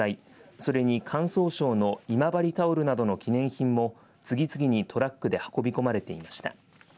それに完走賞の今治タオルなどの記念品も次々にトラックで運び込まれていました。